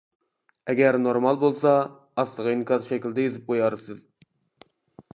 ئەگەر نورمال بولسا، ئاستىغا ئىنكاس شەكلىدە يېزىپ قويارسىز.